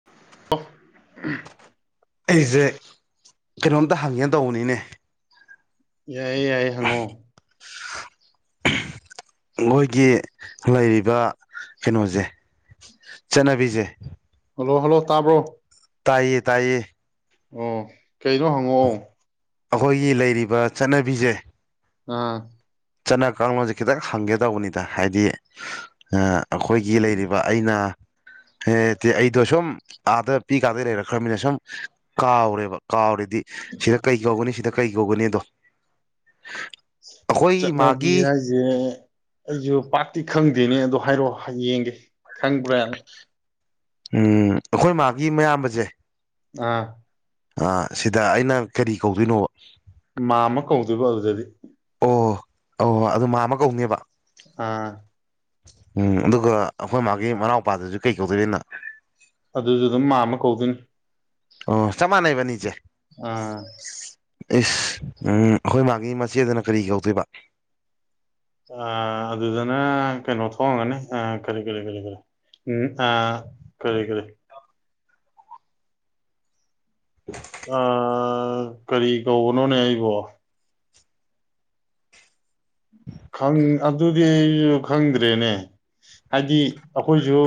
[unintelligible] [unintelligible] ꯑꯩꯁꯦ ꯀꯩꯅꯣꯝꯇ ꯍꯪꯉꯦꯅ ꯇꯧꯕꯅꯤꯅꯦ ꯌꯥꯏꯌꯦ ꯌꯥꯏꯌꯦ ꯍꯪꯉꯑꯣ ꯑꯩꯈꯣꯏꯒꯤ ꯂꯩꯔꯤꯕ ꯀꯩꯅꯣꯁꯦ ꯆꯠꯅꯕꯤꯁꯦ ꯍꯜꯂꯣ ꯍꯜꯂꯣ ꯇꯥꯕ꯭ꯔꯣ ꯇꯥꯏꯌꯦ ꯇꯥꯏꯌꯦ ꯑꯣ ꯀꯩꯅꯣ ꯍꯪꯉꯛꯑꯣ ꯑꯩꯈꯣꯏꯒꯤ ꯂꯩꯔꯤꯕ ꯆꯠꯅꯕꯤꯁꯦ ꯑꯥ ꯆꯠꯅ ꯀꯥꯡꯂꯣꯟꯁꯦ ꯈꯤꯇꯪ ꯍꯪꯒꯦ ꯇꯧꯕꯅꯤꯗ ꯍꯥꯏꯗꯤ ꯑꯩꯈꯣꯏꯒꯤ ꯂꯩꯔꯤꯕ ꯑꯩꯅ ꯑꯩꯗꯣ ꯁꯨꯝ ꯑꯥꯗ ꯄꯤ ꯀꯥꯗꯩ ꯂꯩꯔꯛꯈ꯭ꯔꯃꯤꯅ ꯁꯨꯝ ꯀꯥꯎꯔꯦꯕ ꯀꯥꯎꯔꯤ ꯁꯤꯗ ꯀꯩ ꯀꯧꯒꯅꯤ ꯁꯤꯗ ꯀꯩ ꯀꯧꯒꯅꯤꯗꯣ ꯆꯠꯅꯕꯤ ꯍꯥꯏꯁꯦ ꯑꯩꯁꯨ ꯄꯥꯔꯇꯤ ꯑꯩ ꯈꯪꯗꯦꯅꯦ ꯑꯗꯣ ꯍꯥꯏꯔꯛꯑꯣ ꯍꯌꯦꯡꯒꯦ ꯈꯪꯕ꯭ꯔꯥꯅ ꯎꯝ ꯑꯩꯈꯣꯏ ꯃꯥꯒꯤ ꯃꯌꯥꯝꯕꯁꯦ ꯑꯥ ꯑ ꯁꯤꯗ ꯑꯩꯅ ꯀꯔꯤ ꯀꯧꯗꯣꯏꯅꯣ ꯃꯥ ꯑꯃ ꯀꯧꯗꯣꯏꯕ ꯑꯗꯨꯗꯗꯤ ꯑꯣ ꯑꯣ ꯑꯗꯨ ꯃꯥ ꯑꯃ ꯀꯧꯅꯦꯕ ꯑꯥ ꯎꯝ ꯑꯗꯨꯒ ꯑꯩꯈꯣꯏ ꯃꯥꯒꯤ ꯃꯅꯥꯎꯄꯥꯗꯨꯁꯨ ꯀꯩ ꯀꯧꯗꯣꯏꯔꯤꯅꯣ ꯑꯗꯨꯁꯨ ꯑꯗꯨꯝ ꯃꯥ ꯑꯃ ꯀꯧꯗꯣꯏꯅꯤ ꯑꯣ ꯆꯃꯥꯟꯅꯩꯕꯅꯤꯆꯦ ꯑꯥ ꯏꯁꯁ ꯎꯝ ꯑꯩꯈꫭꯏ ꯃꯥꯒꯤ ꯃꯆꯦꯗꯅ ꯀꯔꯤ ꯀꯧꯗꯣꯏꯕ ꯑꯗꯨꯗꯅ ꯀꯩꯅꯣ ꯊꯣꯡꯒꯅꯤ ꯀꯔꯤ ꯀꯔꯤ ꯀꯔꯤ ꯀꯔꯤ ꯎꯝ ꯑ ꯀꯔꯤ ꯀꯔꯤ ꯑ ꯀꯔꯤ ꯀꯧꯕꯅꯣꯅꯦ ꯑꯩꯕꯣ ꯑꯗꯨꯗꯤꯁꯨ ꯈꯪꯗ꯭ꯔꯦꯅꯦ ꯍꯥꯏꯗꯤ ꯑꯩꯈꯣꯏꯁꯨ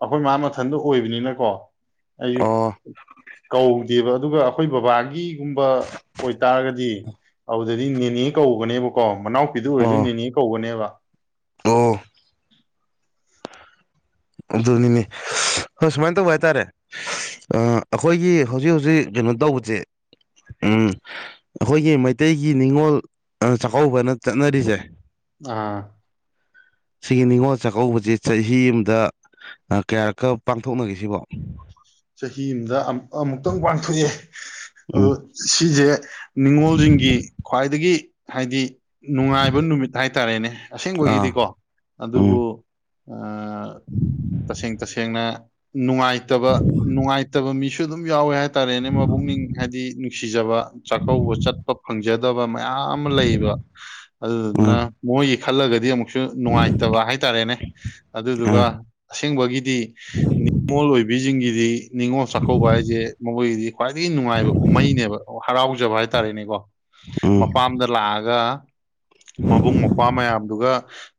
ꯑꯩꯈꯣꯏ ꯃꯥ ꯃꯊꯟꯗ ꯑꯣꯏꯕꯅꯤꯅꯀꯣ ꯑꯩꯁꯨ ꯑꯣ ꯀꯧꯗꯦꯕ ꯑꯗꯨꯒ ꯑꯩꯈꯣꯏ ꯕꯕꯥꯒꯤꯒꯨꯝꯕ ꯑꯣꯏꯇꯥꯔꯒꯗꯤ ꯑꯗꯨꯗꯗꯤ ꯅꯦꯅꯦ ꯀꯧꯕꯧꯒꯅꯦꯕꯀꯣ ꯃꯅꯥꯎ ꯑꯗꯨ ꯑꯣꯏꯔꯁꯨ ꯑꯣ ꯅꯤꯅꯦ ꯀꯧꯕꯧꯅꯦꯕ inaudible ꯑꯣ ꯑꯕꯗꯨꯜ ꯅꯤꯅꯤ ꯍꯣꯏ ꯁꯨꯃꯥꯏꯅ ꯇꯧꯕ ꯍꯥꯏꯇꯥꯔꯦ ꯑꯩꯈꯣꯏꯒꯤ ꯍꯧꯖꯤꯛ ꯍꯧꯖꯤꯛ ꯀꯩꯅꯣ ꯇꯧꯕꯁꯦ ꯎ ꯑꯩꯈꯣꯏꯒꯤ ꯃꯩꯇꯩꯒꯤ ꯅꯤꯡꯅꯤꯉꯣꯜ ꯆꯥꯛꯀꯧꯕꯅ ꯆꯠꯅꯔꯤꯁꯦ ꯑꯥ ꯁꯤꯒꯤ ꯅꯤꯉꯣꯜ ꯆꯥꯛꯀꯧꯕꯁꯤ ꯆꯍꯤ ꯑꯃꯗ ꯀꯌꯥꯔꯛꯀ ꯄꯥꯡꯊꯣꯛꯅꯒꯁꯤꯕꯣ ꯆꯍꯤ ꯑꯃꯗ ꯑꯃꯨꯛꯇꯪ ꯄꯥꯡꯊꯣꯛꯑꯦ ꯎꯝ ꯑꯗꯨ ꯁꯤꯖꯦ ꯅꯤꯡꯅꯤꯉꯣꯜꯁꯤꯡꯒꯤ ꯈ꯭ꯋꯥꯏꯗꯒꯤ ꯍꯥꯏꯗꯤ ꯅꯨꯡꯉꯥꯏꯕ ꯅꯨꯃꯤꯠ ꯍꯥꯏꯇꯥꯔꯦꯅꯦ ꯑꯥ ꯑꯁꯦꯡꯕꯒꯤꯗꯤꯀꯣ ꯑꯗꯨꯕꯨ ꯎꯝ ꯇꯁꯦꯡ ꯇꯁꯦꯡꯅ ꯅꯨꯡꯉꯥꯏꯇꯕ ꯉꯥꯥꯏꯇꯕ ꯃꯤꯁꯨ ꯑꯗꯨꯝ ꯌꯥꯎꯋꯦ ꯍꯥꯏ ꯍꯥꯏ ꯇꯥꯔꯦꯅꯦ ꯃꯕꯨꯛꯅꯤꯡ ꯍꯥꯏꯗꯤ ꯅꯨꯡꯁꯤꯖꯕ ꯆꯥꯛꯀꯧꯕ ꯆꯠꯄ ꯐꯪꯖꯗ ꯗꯕ ꯃꯌꯥꯝ ꯂꯩꯕ ꯑꯗꯨꯗꯨꯅ ꯑꯥ ꯃꯣꯏꯒꯤ ꯈꯜꯂꯒꯗꯤ ꯑꯃꯨꯛ ꯅꯨꯡꯉꯥꯏꯇꯕ ꯍꯥꯏꯇꯥꯔꯦꯅꯦ ꯑꯥ ꯑꯗꯨꯗꯨꯒ ꯑꯁꯦꯡꯕꯒꯤꯗꯤ ꯅꯤꯡꯉꯣꯜ ꯑꯣꯏꯕꯤ ꯖꯤꯡꯒꯤ ꯑꯗꯤ ꯅꯤꯡꯅꯤꯉꯣꯜ ꯆꯥꯛꯀꯧꯕ ꯍꯥꯏꯁꯦ ꯃꯈꯣꯏꯒꯤꯗꯤ ꯈ꯭ꯋꯥꯏꯗꯒꯤ ꯅꯨꯡꯉꯥꯏꯕ ꯀꯨꯝꯍꯩꯅꯦꯕ ꯍꯔꯥꯎꯖꯕ ꯍꯥꯏꯇꯥꯔꯦꯅꯦꯀꯣ ꯎꯝ ꯃꯄꯥꯝꯗ ꯂꯥꯛꯑꯒ ꯃꯕꯨꯡ ꯃꯧꯄ꯭ꯋꯥ ꯃꯌꯥꯝꯗꯨꯒ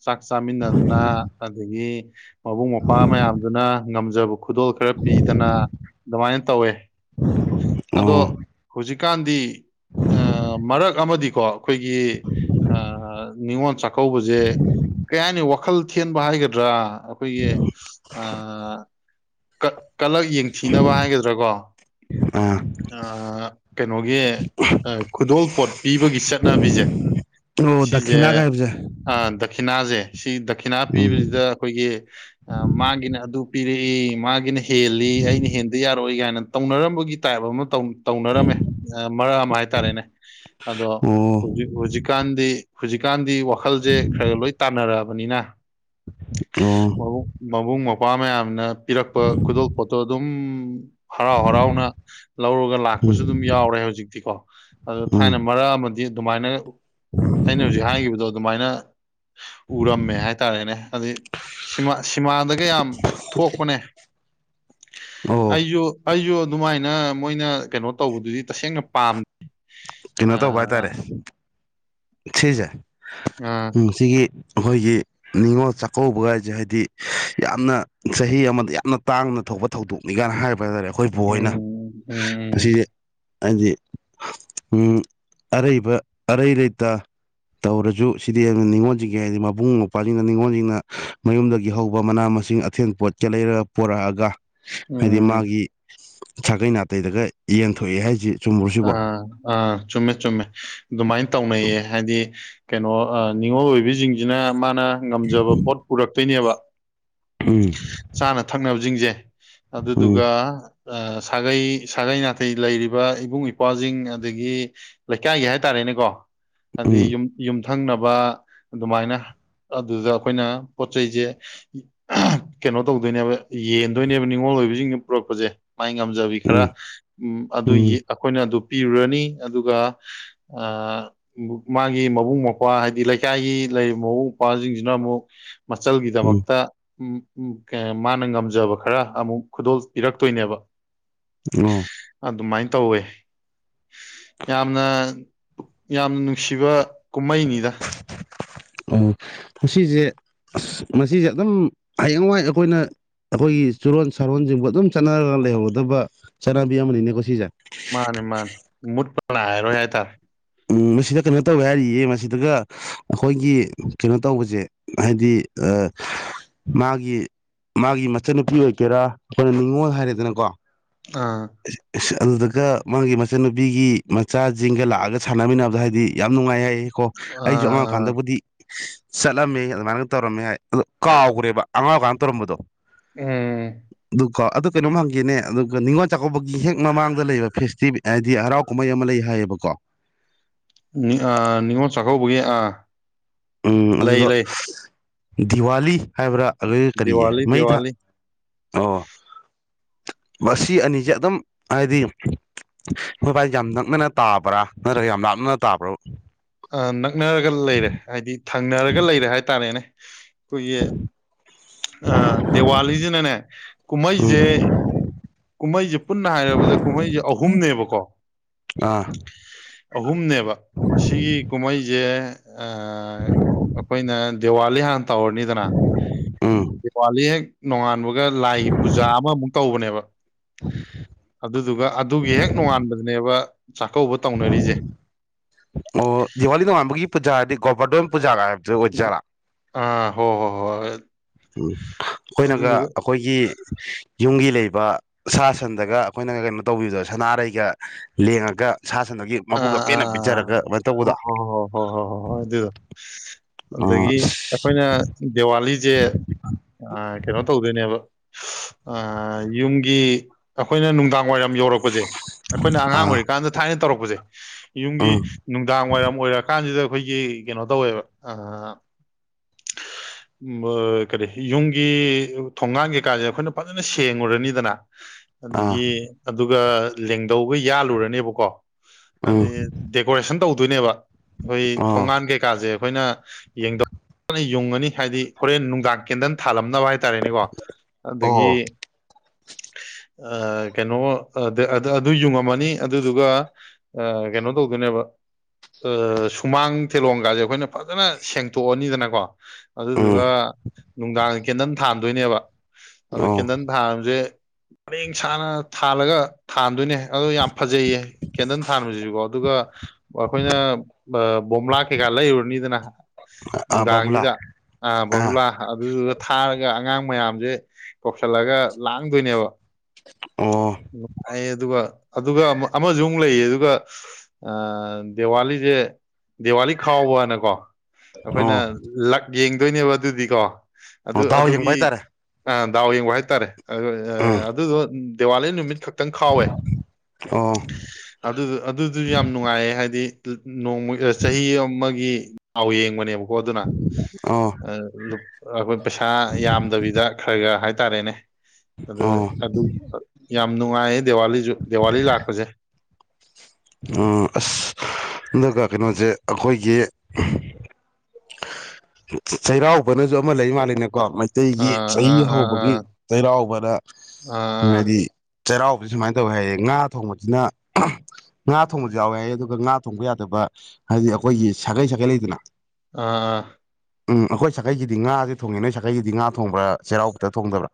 ꯆꯥꯛ ꯆꯥꯃꯤꯟꯅꯗꯅ ꯑꯗꯒꯤ ꯃꯕꯨꯡ ꯃꯧꯄ꯭ꯋꯥ ꯃꯌꯥꯝꯗꯨꯅ ꯉꯝꯖꯕ ꯈꯨꯗꯣꯜ ꯄꯤꯗꯅ ꯑꯗꯨꯃꯥꯏꯅ ꯇꯧꯋꯦ ꯑꯗꯣ ꯑꯣ ꯍꯧꯖꯤꯛꯀꯥꯟꯗꯤ ꯃꯔꯛ ꯑꯃꯗꯤꯀꯣ ꯑꯩꯈꯣꯏꯒꯤ ꯅꯤꯉꯣꯜ ꯆꯥꯛꯀꯧꯕꯁꯦ ꯀꯔꯤ ꯍꯥꯏꯅꯤ ꯋꯥꯈꯜ ꯊꯦꯟꯕ ꯍꯥꯏꯒꯗ꯭ꯔꯥ ꯑꯩꯈꯣꯏꯒꯤ ꯀꯂꯛ ꯌꯦꯡꯊꯤꯅꯕ ꯍꯥꯏꯒꯗ꯭ꯔꯥꯀꯣ ꯑꯥ ꯀꯩꯅꯣꯒꯤ ꯈꯨꯗꯣꯜꯄꯣꯠ ꯄꯤꯕꯒꯤ ꯆꯠꯅꯕꯤꯁꯦ ꯑꯣ ꯗꯈꯤꯅꯥꯒ ꯁꯤꯁꯦ ꯍꯥꯏꯕꯁꯦ ꯗꯈꯤꯅꯥꯁꯦ ꯁꯤꯗ ꯈꯤꯅꯥ ꯄꯤꯕꯁꯤꯗ ꯎꯝ ꯑꯩꯈꯣꯏꯒꯤ ꯃꯥꯡꯒꯤꯅ ꯑꯗꯨ ꯄꯤꯔꯦ ꯃꯥꯒꯤꯅꯦ ꯍꯦꯜꯂꯤ ꯑꯩꯅ ꯍꯦꯟꯗꯤ ꯌꯥꯔꯣꯏ ꯀꯥꯏꯅ ꯇꯧꯅꯔꯝꯕꯒꯤ ꯇꯥꯏꯕ ꯑꯃ ꯇꯧꯅꯤ ꯇꯧꯅꯔꯝꯃꯦ ꯃꯔꯛ ꯑꯃ ꯍꯥꯏꯇꯥꯔꯦꯅꯦ ꯑꯗꯣ ꯑꯣ ꯍꯧꯖꯤꯛ ꯍꯧꯖꯤꯛꯀꯥꯟꯗꯤ ꯍꯧꯖꯤꯛꯀꯥꯟꯗꯤ ꯃꯈꯜꯁꯦ ꯈꯔꯒ ꯂꯣꯏ ꯇꯥꯟꯅꯔꯑꯕ ꯃꯤꯅꯥ ꯑꯣ ꯃꯕꯨꯨꯡ ꯃꯕꯨꯨꯡ ꯃ ꯋꯥ ꯃꯌꯥꯝꯅ ꯏꯔꯛꯄ ꯈꯨꯣꯏꯗꯣꯄꯣꯠꯇꯣ ꯑꯗꯨꯝ ꯎꯝ ꯍꯔꯥꯎ ꯍꯔꯥꯎꯅ ꯂꯧꯔꯒ ꯂꯥꯛꯄꯁꯨ ꯑꯗꯨꯝ ꯎꯝ ꯌꯥꯎꯔꯦ ꯍꯧꯖꯤꯛꯇꯤꯀꯣ ꯑꯗꯨ ꯊꯥꯏꯅ ꯎꯝ ꯃꯔꯛ ꯑꯃꯗꯤ ꯑꯗꯨꯃꯥꯏꯅ ꯑꯩꯅ ꯍꯧꯖꯤꯛ ꯍꯥꯏꯈꯤꯕꯗꯣ ꯑꯗꯨꯃꯥꯏꯅ ꯎꯔꯝꯃꯦ ꯍꯥꯏꯇꯥꯔꯦꯅꯦ ꯑꯗꯩ ꯁꯤꯃꯥ ꯁꯤꯃꯥꯟꯗꯒ ꯌꯥꯝ ꯊꯣꯛꯄꯅꯦ ꯑꯣ ꯑꯩꯁꯨ ꯑꯩꯁꯨ ꯑꯗꯨꯃꯥꯏꯅ ꯃꯣꯏꯅ ꯀꯩꯅꯣ ꯇꯧꯕꯗꯨꯗꯤ ꯇꯁꯦꯡꯅ ꯄꯥꯝꯗꯦ ꯀꯩꯅꯣ ꯇꯧꯕ ꯍꯥꯏꯇꯥꯔꯦ ꯁꯤꯁꯦ ꯑ ꯎꯝ ꯁꯤꯒꯤ ꯑꯩꯈꯣꯏꯒꯤ ꯅꯤꯡꯅꯤꯉꯣꯜ ꯆꯥꯛꯀꯧꯕꯒ ꯍꯥꯏꯁꯦ ꯍꯥꯏꯗꯤ ꯌꯥꯝꯅ ꯆꯍꯤ ꯑꯃꯗ ꯌꯥꯝꯅ ꯇꯥꯡꯅ ꯊꯣꯛꯄ ꯊꯧꯗꯣꯛꯅꯤ ꯀꯥꯏꯅ ꯍꯥꯏꯕ ꯍꯥꯏꯇꯥꯥꯔꯦ ꯑꯩꯈꯣꯏꯕꯨ ꯑꯣꯏꯅ ꯎꯝ ꯎꯝ ꯃꯁꯤꯗꯤ ꯍꯥꯏꯗꯤ ꯑꯔꯩꯕ ꯑꯔꯩ ꯂꯩ ꯇ ꯇꯧꯔꯁꯨ ꯁꯤꯗꯤ ꯅꯤꯉꯣꯜꯁꯤꯡꯒꯤ ꯍꯥꯏꯗꯤ ꯃꯕꯨꯡ ꯃꯧꯄ꯭ꯋꯥꯁꯤꯡꯅ ꯅꯤꯡꯉꯣꯜꯁꯤꯡꯅ ꯃꯌꯨꯝꯗꯒꯤ ꯍꯧꯕ ꯃꯅꯥ ꯃꯁꯤꯡ ꯑꯊꯦꯟ ꯄꯣꯠꯀꯦ ꯂꯩꯔꯒ ꯄꯣꯔꯛꯑꯒ ꯍꯥꯏꯗꯤ ꯎꯝ ꯃꯥꯒꯤ ꯁꯥꯒꯩ ꯅꯥꯇꯩꯗꯒ ꯌꯦꯟꯊꯣꯛꯏ ꯍꯥꯏꯁꯤ ꯆꯨꯝꯕ꯭ꯔꯣ ꯁꯤꯕꯣ ꯑꯥ ꯑꯥ ꯆꯨꯝꯃꯦ ꯆꯨꯝꯃꯦ ꯑꯗꯨꯃꯥꯏꯅ ꯇꯧꯅꯩꯌꯦ ꯍꯥꯏꯗꯤ ꯀꯩꯅꯣ ꯅꯤꯡꯉꯣꯜ ꯑꯣꯏꯕꯤꯁꯤꯡꯁꯤꯅ ꯃꯥꯅ ꯉꯝꯖꯕ ꯄꯣꯠ ꯄꯨꯔꯛꯇꯣꯏꯅꯦꯕ ꯎꯝ ꯆꯥꯅ ꯊꯛꯅꯕꯁꯤꯡꯁꯦ ꯑꯗꯨ ꯎꯝ ꯑꯗꯨꯗꯨꯒ ꯁꯥꯒꯩ ꯁꯥꯒꯩ ꯅꯥꯇꯩ ꯂꯩꯔꯤꯕ ꯏꯕꯨꯡ ꯏꯄꯥꯖꯁꯤꯡ ꯑꯗꯒꯤ ꯂꯩꯀꯥꯏꯒꯤ ꯍꯥꯏꯇꯥꯔꯦꯅꯦꯀꯣ ꯑꯗꯨꯗꯤ ꯎꯝ ꯌꯨꯝ ꯌꯨꯝ ꯊꯪꯅꯕ ꯑꯗꯨꯃꯥꯏꯅ ꯑꯗꯨꯗ ꯑꯩꯈꯣꯏꯅ ꯄꯣꯠ ꯆꯩꯁꯦ ꯀꯩꯅꯣ ꯇꯧꯗꯣꯏꯅꯦꯕ ꯌꯦꯟꯗꯣꯏꯅꯦꯕ ꯅꯤꯡꯅꯤꯉꯣꯜ ꯑꯣꯏꯕꯁꯤꯡꯅ ꯄꯨꯔꯛꯄꯁꯦ ꯃꯥꯏ ꯉꯝꯖꯕꯤ ꯈꯔ ꯎꯝ ꯎꯝ ꯑꯗꯨꯒꯤ ꯑꯗꯨ ꯄꯤꯔꯨꯔꯅꯤ ꯑꯗꯨꯒ ꯃꯥꯒꯤ ꯃꯕꯨꯡ ꯃꯧꯄ꯭ꯋꯥ ꯍꯥꯏꯗꯤ ꯂꯩꯀꯥꯏꯒꯤ ꯂꯩꯔꯤꯕ ꯃꯕꯨꯡ ꯃꯧꯄ꯭ꯋꯥꯁꯤꯡꯁꯤꯅ ꯑꯃꯨꯛ ꯎꯝ ꯃꯆꯜꯒꯤꯗꯃꯛꯇ ꯎ ꯃꯥꯅ ꯉꯝꯖꯕ ꯈꯔ ꯑꯃꯨꯛ ꯈꯨꯗꯣꯜ ꯄꯤꯔꯛꯇꯣꯏꯅꯦꯕ ꯑꯣ ꯑꯗꯨꯃꯥꯏꯅ ꯇꯧꯋꯦ ꯌꯥꯝꯅ ꯌꯥꯝ ꯅꯨꯡꯁꯤꯕ ꯀꯨꯝꯍꯩꯅꯤꯗ ꯎꯝ ꯁꯤꯁꯦ ꯑꯁ꯭ꯍ ꯃꯥꯁꯤꯁꯦ꯫ ꯑꯗꯨꯝ ꯍꯌꯦꯡꯋꯥꯏ ꯑꯩꯈꯣꯏꯅ ꯑꯩꯈꯣꯏꯒꯤ ꯆꯨꯔꯣꯟ ꯁꯥꯔꯣꯟꯁꯤꯡꯕꯨ ꯑꯗꯨꯝ ꯆꯠꯅꯔꯒ ꯂꯩꯍꯧꯒꯗꯕ ꯆꯠꯅꯕꯤ ꯑꯃꯅꯤꯅꯦꯀꯣ ꯁꯤꯁꯦ ꯃꯥꯅꯦ ꯃꯥꯅꯦ ꯃꯨꯠ ꯄꯂ ꯍꯥꯏꯔꯣ ꯌꯥꯏ ꯇꯔ ꯎꯝ ꯃꯁꯤꯗ ꯀꯩꯅꯣ ꯇꯧꯋꯦ ꯍꯥꯏꯔꯤꯌꯦ ꯃꯁꯤꯗꯒ ꯑꯩꯈꯣꯏꯒꯤ ꯀꯩꯅꯣ ꯇꯧꯕꯁꯦ ꯍꯥꯏꯗꯤ ꯃꯥꯒꯤ ꯃꯥꯒꯤ ꯃꯆꯟꯅꯨꯄꯤ ꯑꯣꯏꯒꯦꯔꯥ ꯑꯩꯈꯣꯏꯅ ꯅꯤꯡꯅꯤꯉꯣꯜ ꯍꯥꯏꯔꯦꯗꯅꯀꯣ ꯑꯥ ꯑꯦꯁ ꯑꯁꯦ꯫ ꯑꯗꯨꯗꯨꯒ ꯃꯥꯒꯤ ꯃꯆꯟꯅꯨꯄꯤꯒꯤ ꯃꯆꯥꯁꯤꯡꯒ ꯂꯥꯛꯑꯒ ꯁꯥꯟꯅꯃꯤꯟꯅꯕꯗ ꯍꯥꯏꯗꯤ ꯌꯥꯝ ꯅꯨꯡꯉꯥꯏ ꯍꯥꯏ ꯀꯣ ꯑꯩꯁꯨ ꯑꯉꯥꯡ ꯑꯥ ꯀꯥꯟꯗꯕꯨꯗꯤ ꯆꯠꯂꯝꯃꯤ ꯑꯗꯨꯃꯥꯏꯅꯒ ꯇꯧꯔꯝꯃꯤ ꯍꯥꯏ ꯑꯣ ꯀꯥꯎꯈ꯭ꯔꯦꯕ ꯑꯉꯥꯎꯀꯥꯟꯅ ꯇꯧꯔꯝꯕꯗꯣ ꯎꯝ ꯑꯗꯨ ꯀꯣ ꯑꯗꯨ ꯀꯩꯅꯣꯝ ꯍꯪꯒꯦꯅꯦ ꯑꯗꯨꯒ ꯅꯤꯡꯉꯣꯜ ꯆꯥꯛꯀꯧꯕꯒꯤ ꯍꯦꯛ ꯃꯃꯥꯡꯗ ꯂꯩꯕ ꯐꯦꯁꯇꯤꯕ ꯍꯥꯏꯗꯤ ꯍꯔꯥꯎ ꯀꯨꯝꯍꯩ ꯑꯃ ꯂꯩ ꯍꯥꯏꯌꯦꯕꯀꯣ ꯃꯤꯉ ꯆꯥꯀꯥ ꯒꯗꯦ ꯎꯝ ꯑꯗꯨꯗ ꯗꯤꯋꯥꯂꯤ ꯍꯥꯏꯕ꯭ꯔꯥ ꯑꯗꯨ ꯀꯔꯤꯌꯦ ꯗꯤꯋꯥꯂꯤ ꯃꯩ ꯊ ꯗꯤꯋꯥꯂꯤ ꯑꯣ ꯃꯁꯤ ꯑꯅꯤꯁꯦ ꯑꯗꯨꯝ ꯍꯥꯏꯗꯤ ꯃꯣꯏꯕꯥꯥꯏꯁꯦ ꯌꯥꯝ ꯅꯛꯅꯅ ꯇꯥꯕ꯭ꯔꯥ ꯅꯠꯇ꯭ꯔꯒ ꯌꯥꯝ ꯂꯥꯞꯅꯅ ꯇꯥꯕ꯭ꯔꯥ ꯑꯪ ꯊꯛꯅꯔꯒ ꯂꯩꯔꯦ ꯍꯥꯏꯗꯤ ꯊꯪꯅꯔꯒ ꯂꯩꯔꯦ ꯍꯥꯏꯇꯥꯔꯦꯅꯦ eikhoi gi ꯗꯦꯋꯥꯂꯤꯁꯤꯅꯅꯦ ꯎꯝ ꯀꯨꯝꯍꯩꯁꯦ ꯀꯨꯝꯍꯩꯁꯦ ꯄꯨꯟꯅ ꯍꯥꯏꯔꯕꯗ ꯀꯨꯝꯍꯩꯁꯦ ꯑꯍꯨꯝꯅꯦꯕꯀꯣ ꯑꯥ ꯑꯍꯨꯝꯅꯦꯕ ꯁꯤꯒꯤ ꯀꯨꯝꯍꯩꯁꯦ ꯑꯩꯈꯣꯏꯅ ꯗꯦꯋꯥꯂꯤꯍꯥꯟ ꯇꯧꯔꯅꯤꯗꯅ ꯎꯝ ꯄꯥꯂꯤ ꯅꯣꯡꯉꯥꯟꯕ ꯂꯥꯏꯒꯤ ꯄꯨꯖꯥ ꯑꯃꯨ ꯇꯧꯕꯅꯦꯕ ꯑꯗꯨꯗꯨꯒ ꯑꯗꯨꯒꯤ ꯍꯦꯛ ꯅꯣꯉꯥꯟꯕꯗꯅꯦꯕ ꯆꯥꯛꯀꯧꯕ ꯇꯧꯅꯔꯤꯁꯦ ꯒꯧꯄꯥꯗꯣꯗ ꯄꯨꯖꯥꯒ ꯒꯥꯏ ꯑꯣꯏꯗꯣꯏ ꯖꯂ ꯑꯥ ꯍꯣ ꯍꯣ ꯍꯣꯏ ꯎꯝ ꯑꯩꯈꯣꯏꯅꯒ ꯑꯗꯨꯗꯨꯒ ꯑꯩꯈꯣꯏꯒꯤ ꯌꯨꯝꯒꯤ ꯂꯩꯕ ꯁꯥ ꯁꯟꯗꯒ ꯑꯩꯈꯣꯏꯅꯒ ꯀꯩꯅꯣ ꯇꯧꯕꯤꯕꯗꯣ ꯁꯅꯥꯔꯩꯒ ꯂꯦꯡꯉꯒ ꯁꯥ ꯁꯟꯗꯒꯤ ꯃꯕꯨꯛꯀ ꯑꯥ ꯑꯥ ꯄꯦꯟꯅ ꯑꯥ ꯄꯤꯖꯔꯒ ꯑꯗꯨꯃꯥꯏꯅ ꯍꯣ ꯇꯧꯕꯗꯣ ꯍꯣ ꯑꯣ ꯑꯗꯥꯒꯤ ꯑꯩꯈꯣꯏꯅ ꯗꯤꯋꯥꯂꯤ ꯑꯂꯤꯁꯦ ꯀꯩꯅꯣ ꯇꯧꯗꯣꯏꯅꯦꯕ ꯑ ꯌꯨꯝꯒꯤ ꯑꯩꯈꯣꯏꯅ ꯅꯨꯡꯗꯥꯡ ꯋꯥꯏꯔꯝ ꯌꯧꯔꯛꯄꯁꯦ ꯑꯩꯈꯣꯏꯅ ꯑꯉꯥꯡ ꯑꯥ ꯑꯣꯏꯔꯤꯀꯥꯟꯗ ꯊꯥꯏꯅ ꯇꯔꯛꯄ ꯍꯧꯖꯦ [unintelligible] ꯌꯨꯝꯒꯤ ꯎꯝ ꯅꯨꯡꯗꯥꯡ ꯋꯥꯏꯔꯝ ꯑꯣꯏꯔꯛꯀꯥꯟꯁꯤꯗ ꯑꯩꯈꯣꯏꯒꯤ ꯀꯩꯅꯣ ꯇꯧꯋꯦꯕ ꯀꯔꯤ ꯌꯨꯝꯒꯤ ꯊꯣꯡꯒꯥꯡ ꯀꯩꯀꯥꯟꯁꯦ ꯑꯩꯈꯣꯏꯅ ꯐꯖꯅ ꯁꯦꯡꯉꯨꯔꯅꯤꯗꯅ ꯑꯗꯒꯤ ꯑꯥ ꯑꯗꯨꯒ ꯂꯦꯡꯗꯧꯕ ꯌꯥꯜꯂꯨꯔꯅꯦꯕꯀꯣ ꯎꯝ ꯑꯗꯩ ꯗꯦꯀꯣꯔꯦꯁꯟ ꯇꯧꯗꯣꯏꯅꯦꯕ ꯑꯩꯈꯣꯏ ꯑꯣ ꯊꯣꯡꯒꯥꯟ ꯀꯩꯀꯥꯁꯦꯕ ꯑꯩꯈꯣꯏꯅ ꯌꯦꯡꯗꯧ ꯌꯨꯡꯉꯅꯤ ꯍꯥꯏꯗꯤ ꯍꯣꯔꯦꯟ ꯅꯨꯡꯗꯥꯡ ꯀꯦꯟꯗꯟ ꯊꯥꯜꯂꯝꯅꯕ ꯍꯥꯏꯇꯥꯔꯦ ꯔꯦꯅꯦꯀꯣ ꯑꯗꯒꯤ ꯑꯣ ꯑ ꯀꯩꯅꯣ ꯑꯗꯨ ꯌꯨꯡꯉꯝꯃꯅꯤ ꯑꯗꯨꯗꯨꯒ ꯀꯩꯅꯣ ꯇꯧꯗꯣꯏꯅꯦꯕ ꯁꯨꯃꯥꯡ ꯇꯤꯂꯣꯡꯒꯥꯁꯦ ꯑꯩꯈꯣꯏꯅ ꯐꯖꯅ ꯁꯦꯡꯇꯣꯛꯑꯅꯤꯗꯅꯀꯣ ꯎꯝ ꯑꯗꯨꯗꯨꯒ ꯅꯨꯡꯗꯥꯡꯗ ꯀꯦꯟꯗꯜ ꯊꯥꯟꯗꯣꯏꯅꯦꯕ ꯑꯗ ꯑꯣ ꯀꯦꯟꯗꯟ ꯊꯥꯟꯕꯁꯦ ꯄꯔꯦꯡ ꯁꯥꯅ ꯊꯥꯜꯂꯒ ꯊꯥꯟꯗꯣꯏꯅꯦ ꯑꯗꯣ ꯌꯥꯝ ꯐꯖꯩꯌꯦ ꯀꯦꯟꯗꯜ ꯊꯥꯥꯟꯕꯁꯤꯁꯨꯀꯣ ꯑꯗꯨꯒ ꯑꯩꯈꯣꯏꯅ ꯕꯣꯝꯂꯥ ꯀꯩꯀꯥ ꯂꯩꯔꯨꯔꯅꯤꯗꯅ ꯑꯥ ꯕꯥꯃꯨꯂꯥ ꯅꯨꯡꯗꯥꯡꯁꯤꯗ ꯑꯥ ꯕꯕꯨꯨꯂꯥ ꯑꯗꯨꯗꯨꯒ ꯊꯥꯔꯒ ꯑꯉꯥꯡ ꯃꯌꯥꯝꯁꯦ ꯀꯧꯁꯜꯂꯒ ꯂꯥꯡꯗꯣꯏꯅꯦꯕ ꯑꯣ ꯅꯨꯡꯉꯥꯏꯌꯦ ꯑꯗꯨꯒ ꯑꯗꯨꯒ ꯑꯃ ꯑꯃꯁꯨꯃꯨꯛ ꯂꯩꯌꯦ ꯑꯗꯨꯒ ꯑ ꯗꯦꯋꯥꯂꯤꯁꯦ ꯗꯤꯋꯥꯂꯤ ꯈꯥꯎꯕꯅꯀꯣ ꯑꯩꯈꯣꯏꯅ ꯑꯣ ꯂꯥꯛ ꯌꯦꯡꯗꯣꯏꯅꯦꯕ ꯑꯗꯨꯗꯤ ꯀꯣ ꯑꯗꯨ ꯑꯣ ꯗꯥꯎ ꯌꯦꯡꯕ ꯑꯗꯨꯒꯤ ꯍꯥꯏꯇꯥꯔꯦ ꯑ ꯗꯥꯎ ꯌꯦꯡꯕ ꯍꯥꯏꯇꯥꯔꯦ ꯎꯝ ꯑꯗꯨ ꯗꯤꯋꯥꯂꯤ ꯅꯨꯃꯤꯠꯀꯤ ꯑꯣ ꯑꯗꯨ ꯑꯗꯨꯗꯨꯁꯨ ꯌꯥꯝ ꯅꯨꯡꯉꯥꯏꯌꯦ ꯍꯥꯏꯗꯤ ꯅꯣꯡꯃ ꯆꯍꯤ ꯑꯃꯒꯤ ꯗꯥꯎ ꯌꯦꯡꯕꯅꯦꯕ ꯍꯣ ꯑꯗꯨꯅ ꯑꯣ ꯑꯩꯈꯣꯏ ꯄꯩꯁꯥ ꯌꯥꯝꯗꯕꯤꯗ ꯈꯔ ꯈꯔ ꯍꯥꯏ ꯇꯥꯔꯦꯅꯦ ꯑꯗ ꯑꯣ ꯑꯗꯨꯝꯕꯥ ꯌꯥꯝ ꯌꯥꯝ ꯅꯨꯡꯉꯥꯏꯌꯦ ꯗꯤꯋꯥꯂꯤꯁꯨ ꯗꯤꯋꯥꯂꯤ ꯂꯥꯛꯄꯁꯦ ꯎꯝ ꯑꯁ ꯑꯗꯨꯒ ꯀꯩꯅꯣꯁꯦ ꯑꯩꯈꯣꯏꯒꯤ ꯆꯩꯔꯥꯎꯕꯅꯁꯨ ꯑꯃ ꯂꯩ ꯃꯥꯜꯂꯦꯅꯦ ꯀꯣ ꯃꯩꯇꯩꯒꯤ ꯑꯥ ꯆꯍꯤ ꯑꯥ ꯑꯥ ꯑꯥ ꯑꯥ ꯍꯧꯕꯒꯤ ꯆꯩꯔꯥꯎꯕꯗ ꯍꯥꯏꯗꯤ ꯆꯩꯔꯥꯎꯕꯁꯤ ꯁꯨꯃꯥꯏꯅ ꯇꯧꯋꯤ ꯍꯥꯏ ꯑꯦ ꯉꯥ ꯊꯣꯡꯕꯁꯤꯅ ꯉꯥ ꯊꯣꯡꯕꯁꯨ ꯌꯥꯎꯋꯦ ꯑꯗꯨꯒ ꯉꯥ ꯊꯣꯡꯕ ꯌꯥꯗꯕ ꯍꯥꯏꯗꯤ ꯑꯩꯈꯣꯏꯒꯤ ꯁꯥꯒꯩ ꯁꯥꯒꯩ ꯂꯩꯗꯅ ꯑꯥ ꯑꯥ ꯎꯝ ꯑꯩꯈꯣꯏ ꯁꯈꯩꯁꯤꯗꯤ ꯉꯥꯁꯦ ꯊꯣꯡꯉꯦ ꯅꯣꯏ ꯁꯈꯩꯁꯤꯗꯤ ꯉꯥ ꯊꯣꯡꯕ꯭ꯔꯥ ꯆꯩꯔꯥꯎꯕꯗ ꯊꯣꯡꯗꯕ꯭ꯔꯥ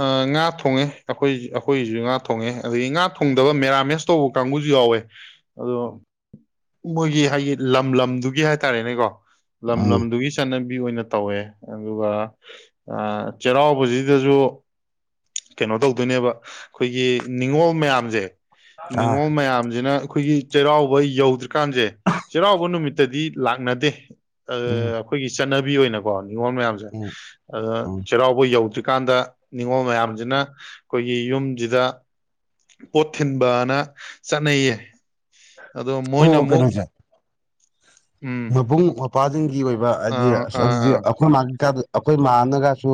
ꯑꯥ ꯉꯥ ꯊꯣꯡꯉꯦ ꯑꯩꯈꯣꯏ ꯑꯩꯈꯣꯏꯒꯤꯁꯨ ꯉꯥ ꯊꯣꯡꯉꯦ ꯑꯗꯒꯤ ꯉꯥ ꯊꯣꯡꯗꯕ ꯃꯦꯔꯥꯃꯦꯁ ꯇꯧꯕ ꯀꯥꯡꯕꯨꯁꯨ ꯌꯥꯎꯋꯦ ꯑꯗꯣ ꯃꯣꯏꯒꯤ ꯍꯥꯏꯗꯤ ꯂꯝ ꯂꯝꯗꯨꯒꯤ ꯍꯥꯏꯇꯥꯔꯦꯅꯦꯀꯣ ꯂꯝ ꯎꯝ ꯂꯝꯗꯨꯒꯤ ꯆꯠꯅꯕꯤ ꯑꯣꯏꯅ ꯇꯧꯋꯦ ꯑꯗꯨꯒ ꯆꯩꯔꯥꯎꯕꯁꯤꯗꯁꯨ ꯀꯩꯅꯣ ꯇꯧꯗꯣꯏꯅꯦꯕ ꯑꯩꯈꯣꯏꯒꯤ ꯅꯤꯡꯉꯣꯜ ꯃꯌꯥꯝ ꯖꯦ ꯑꯥ ꯅꯤꯉꯣꯜ ꯃꯌꯥꯝꯁꯤꯅ ꯑꯩꯈꯣꯏꯒꯤ ꯆꯩꯔꯥꯎꯕ ꯑꯩ ꯌꯧꯗ꯭ꯔꯦ ꯀꯥꯟꯁꯦ ꯆꯩꯔꯥꯎꯕ ꯅꯨꯃꯤꯠꯇꯗꯤ ꯂꯥꯛꯅꯗꯦ ꯎꯝ ꯑꯩꯈꯣꯏꯒꯤ ꯆꯠꯅꯕꯤ ꯑꯣꯏꯅꯀꯣ ꯅꯤꯡꯉꯣꯜ ꯃꯌꯥꯝꯁꯦ ꯎꯝ ꯑꯗꯨ ꯎꯝ ꯆꯩꯔꯥꯎꯕ ꯌꯧꯗ꯭ꯔꯤ ꯀꯥꯟꯗ ꯅꯤꯡꯉꯣꯜ ꯃꯌꯥꯝ ꯅ ꯑꯩꯈꯣꯏꯒꯤ ꯌꯨꯝꯁꯤꯗ ꯄꯣꯠ ꯊꯤꯟꯕꯅ ꯆꯠꯅꯩꯌꯦ ꯑꯗꯣ ꯃꯣꯏꯅ ꯑꯃꯨꯛ ꯎꯝ ꯃꯨꯡ ꯅꯪꯒꯤ ꯑꯣꯏꯕ ꯍꯥꯏꯗꯤ ꯑꯥ ꯑꯁ ꯑꯥ ꯑꯗꯨꯗꯤ ꯑꯥ ꯑꯩꯈꯣꯏ ꯃꯥꯒꯤ ꯀ ꯑꯩꯈꯣꯏ ꯃꯥꯅꯒꯁꯨ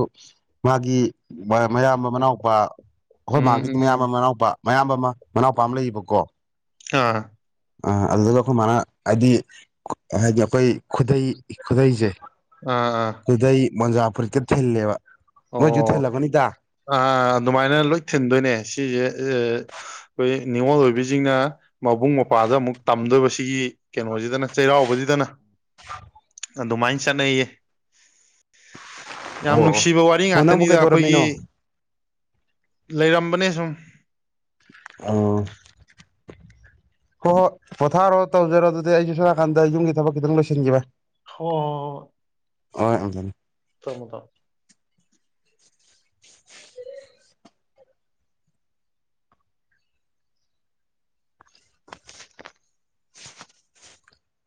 ꯃꯥꯒꯤ ꯃꯌꯥꯝꯕ ꯃꯅꯥꯎꯄꯥ ꯍꯣꯏ ꯎꯝ ꯃꯥꯒꯤꯗꯤ ꯎꯝ ꯎꯝ ꯃꯌꯥꯝ ꯑꯃ ꯃꯅꯥꯎꯄꯥ ꯃꯌꯥꯝꯕ ꯑꯃ ꯃꯅꯥꯎꯄꯥ ꯑꯃ ꯂꯩꯌꯦꯕꯀꯣ ꯑꯥ ꯑ ꯑꯗꯨꯗꯨꯒ ꯑꯩꯈꯣꯏ ꯃꯥꯅ ꯍꯥꯏꯗꯤ ꯍꯥꯏꯗꯤ ꯑꯩꯈꯣꯏ ꯈꯨꯗꯩ ꯈꯨꯗꯩꯁꯦ ꯑꯥ ꯑꯥ ꯈꯨꯗꯩ ꯃꯣꯟꯖꯥ ꯐꯨꯔꯤꯀ ꯊꯤꯜꯂꯦꯕ ꯃꯣꯏ ꯌꯨꯊ ꯂꯕꯅꯤꯗ ꯑ ꯑꯗꯨꯃꯥꯏꯅ ꯂꯣꯏ ꯊꯤꯟꯗꯣꯏꯅꯦ ꯁꯤꯁꯦ ꯑꯩꯈꯣꯏ ꯅꯤꯡꯅꯤꯉꯣꯜ ꯑꯣꯏꯕꯤꯁꯤꯡꯅ ꯃꯕꯨꯡ ꯃꯧꯄ꯭ꯋꯥꯗ ꯑꯃꯨꯛ ꯇꯝꯗꯣꯏꯕ ꯁꯤꯒꯤ ꯀꯩꯅꯣꯁꯤꯗꯅ ꯆꯩꯔꯥꯎꯕꯁꯤꯗꯅ ꯑꯗꯨꯃꯥꯏꯅ ꯆꯠꯅꯩꯌꯦ ꯌꯥꯝ ꯑꯣ ꯑꯣ ꯅꯨꯡꯁꯤꯕ ꯋꯥꯔꯤ ꯑꯣ ꯅꯪꯕꯨ ꯉꯥꯛꯇꯅꯤꯗ ꯑꯩꯈꯣꯏꯒꯤ ꯀꯩꯗꯧꯔꯝꯃꯤꯅꯣ ꯂꯩꯔꯝꯕꯅꯦ ꯁꯨꯝ ꯑ ꯀꯣ ꯄꯊꯥꯔꯣꯗ ꯇꯧꯖꯔꯣ ꯑꯗꯨꯗꯤ ꯑꯩꯁꯨ ꯁꯣꯏꯛꯀꯥꯟꯗ ꯌꯨꯝꯒꯤ ꯊꯕꯛ ꯈꯤꯇꯪ ꯂꯣꯏꯁꯤꯟꯈꯤꯕ ꯍ ꯑꯣꯖ ꯆꯃꯗꯝ